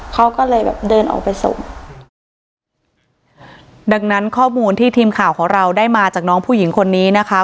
เขาก็เลยแบบเดินออกไปส่งดังนั้นข้อมูลที่ทีมข่าวของเราได้มาจากน้องผู้หญิงคนนี้นะคะ